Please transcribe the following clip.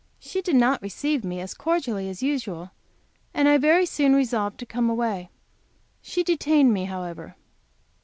She did not receive me as cordially as usual, and I very soon resolved to come away. She detained me, however.